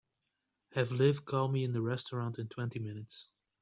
Have Liv call me in the restaurant in twenty minutes.